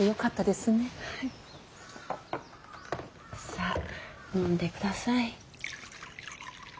さあ飲んでください。